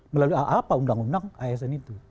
melalui apa undang undang asn itu